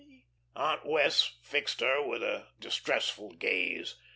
Aunt Wess' fixed her with a distressful gaze.